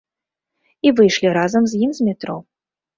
І выйшлі разам з ім з метро.